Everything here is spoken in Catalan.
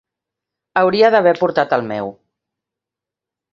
Hauria d'haver portat el meu.